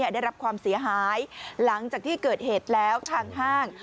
ได้รับความเสียหายหลังจากที่เกิดเหตุแล้วทางห้าง